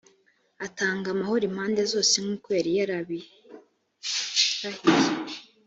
atanga amahoro impande zose nk uko yari yarabirahiye